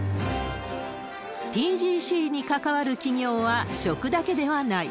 ＴＧＣに関わる企業は食だけではない。